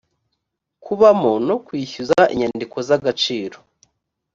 kubamo no kwishyuza inyandiko z’agaciro